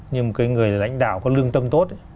nhưng một người lãnh đạo có lương tâm tốt